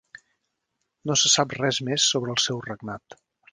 No se sap res més sobre el seu regnat.